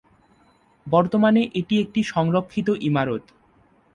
বর্তমানে এটি একটি সংরক্ষিত ইমারত।